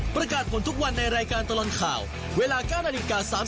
ประกาศผลทุกวันในรายการตลอดข่าวเวลา๙นาฬิกา๓๐